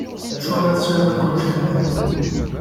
Acuɣer i teɛyiḍ akk anect-a?